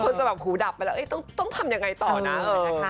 จะแบบหูดับไปแล้วต้องทำยังไงต่อนะ